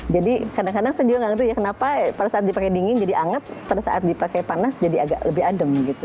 jadi kadang kadang saya juga nggak ngerti ya kenapa pada saat dipakai dingin jadi hangat pada saat dipakai panas jadi agak lebih adem gitu